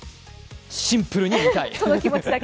シンプルに見たい。